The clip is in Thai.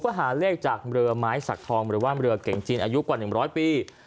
เพื่อหาเลขจากเมลวไม้สักทองหรือว่าเมลวเก๋งจีนอายุกว่า๑๐๐ปี